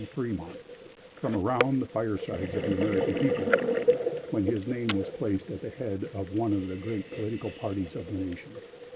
Fremont, from around the firesides of the American people, when his name was placed at the head of one of the great political parties of the nation.